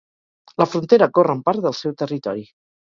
La frontera corre en part del seu territori.